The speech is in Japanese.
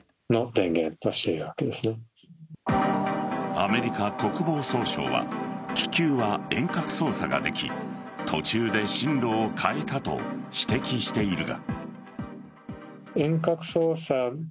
アメリカ国防総省は気球は遠隔操作ができ途中で進路を変えたと指摘しているが。